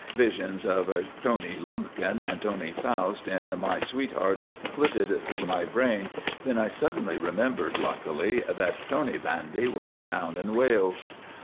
Visions of "Tony Lumpkin," and "Tony Faust," in "My Sweetheart," flitted through my brain, then I suddenly remembered, luckily, that "Tony pandy" was a town in Wales.